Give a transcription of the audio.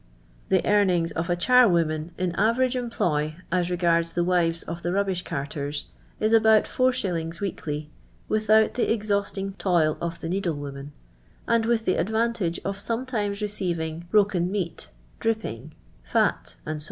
The earnings of a char woman in average employ, as regards the wives of the rubbish carters, is about 4s. weekly, without the exhausting toil of the needle woman, and with the advantage of sometimes receiving broken meat, dripping, fat, &c., &c.